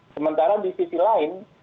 sementara di sisi lain